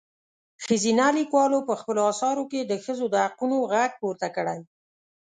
ښځينه لیکوالو په خپلو اثارو کې د ښځو د حقونو غږ پورته کړی.